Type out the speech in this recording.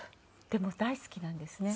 でも大好きなんですね。